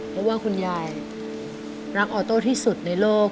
เพราะว่าคุณยายรักออโต้ที่สุดในโลก